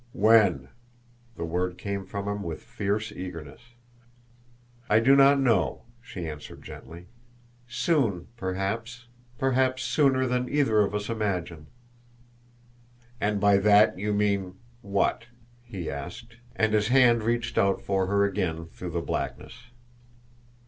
"When?" The word came from him with fierce eagerness. "I do not know," she answered gently. "Soon, perhaps perhaps sooner than either of us imagine." "And by that you mean what?" he asked, and his hand reached out for her again through the blackness.